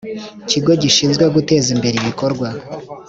Kigo gishinzwe Guteza Imbere Ibikorwa